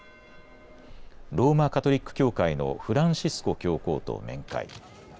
ローマ・カトリック教会のフランシスコ教皇と面会。